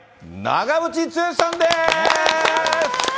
長渕剛さんです。